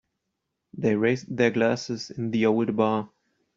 They raised their glasses in the old bar.